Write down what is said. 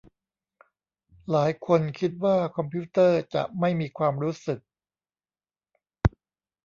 หลายคนคิดว่าคอมพิวเตอร์จะไม่มีความรู้สึก